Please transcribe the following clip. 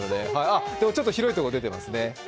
でもちょっと広いところに出ていますね。